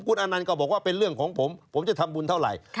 คุณอนันต์ก็บอกว่าเป็นเรื่องของผมผมจะทำบุญเท่าไหร่